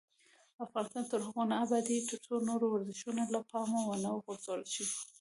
افغانستان تر هغو نه ابادیږي، ترڅو نور ورزشونه له پامه ونه غورځول شي.